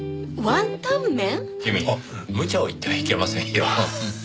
君むちゃを言ってはいけませんよ。